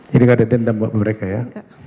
jadi gak ada dendam buat mereka ya